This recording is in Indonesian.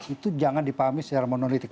itu jangan dipahami secara monolitik